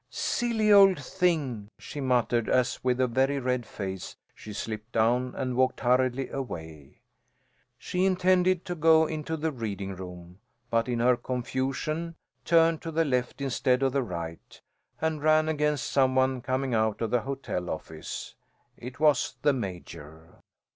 "Silly old thing!" she muttered, as with a very red face she slipped down and walked hurriedly away. She intended to go into the reading room, but in her confusion turned to the left instead of the right, and ran against some one coming out of the hotel office. It was the Major.